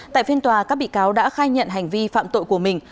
tại phiên tòa các bị cáo đã khai nhận hành vi phạm tội của mình